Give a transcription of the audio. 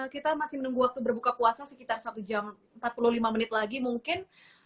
kita masih menunggu waktu berbuka puasa sekitar satu jam empat puluh lima menit lagi mungkin